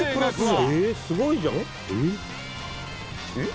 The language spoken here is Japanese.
すごいじゃん！